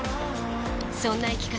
そんな生き方